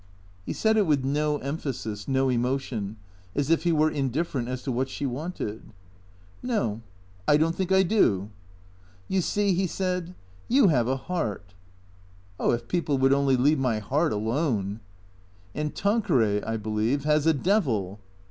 He said it with no emphasis, no emotion, as if he were indif ferent as to what she wanted. " No. I don't think I do." " You see," he said, " you have a heart." " Oh, if people would only leave my heart alone !"" And Tanqueray, I believe, has a devil."